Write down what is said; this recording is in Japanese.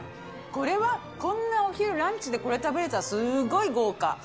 これはこんなお昼、ランチでこれ食べれたら、すごい豪華。